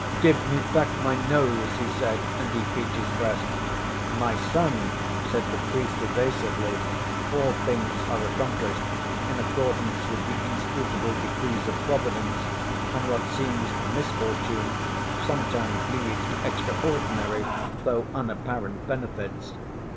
'Give me back my nose!' he said, and he beat his breast. 'My son,' said the priest evasively, 'all things are accomplished in accordance with the inscrutable decrees of Providence, and what seems a misfortune sometimes leads to extraordinary, though unapparent, benefits.